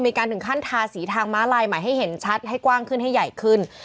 ถึงขั้นทาสีทางม้าลายใหม่ให้เห็นชัดให้กว้างขึ้นให้ใหญ่ขึ้น